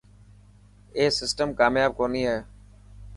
اي سسٽم ڪامپاب ڪوني هي.